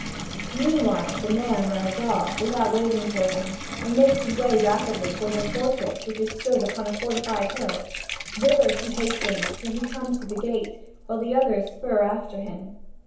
Meanwhile the man rides off, without waiting for them, and makes his way rapidly toward a fortress which stood upon a fortified hill; thither he hastens, till he comes to the gate, while the others spur after him.